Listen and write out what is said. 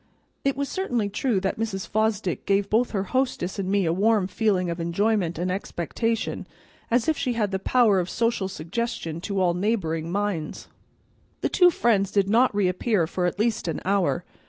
It was certainly true that Mrs. Fosdick gave both her hostess and me a warm feeling of enjoyment and expectation, as if she had the power of social suggestion to all neighboring minds. The two friends did not reappear for at least an hour.